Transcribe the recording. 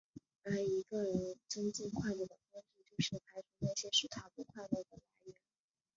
而一个人增进快乐的方式就是排除那些使他不快乐的来源。